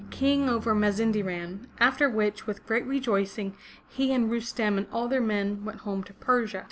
King over Mazinderan, after which, with great rejoicing, he and Rustem and all their men went home to Persia.